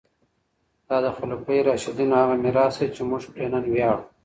دا د خلفای راشدینو هغه میراث دی چې موږ پرې نن ویاړو.